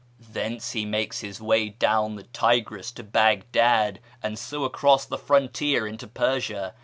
Thence he makes his way down the Tigris to Baghdad, and so across the frontier into Persia.